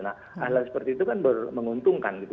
nah hal hal seperti itu kan menguntungkan gitu